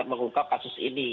mengungkap kasus ini